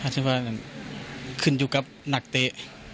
ถ้าขึ้นอยู่กับนักเต๊อร์